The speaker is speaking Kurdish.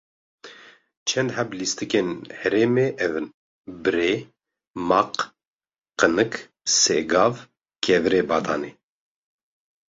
çend heb lîstikên herêmê ev in: Birê, maq, qinik, sêgav, kevirê badanê